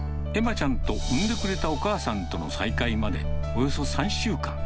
ちゃんと産んでくれたお母さんとの再会までおよそ３週間。